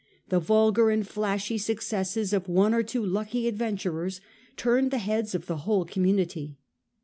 The vulgar and flashy successes of one or two lucky adventurers turned the heads of the whole community.